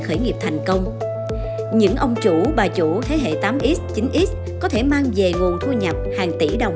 khởi nghiệp thành công những ông chủ bà chủ thế hệ tám x chín x có thể mang về nguồn thu nhập hàng tỷ đồng